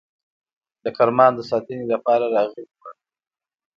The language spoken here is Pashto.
د کرمان د ساتنې لپاره راغلي وه.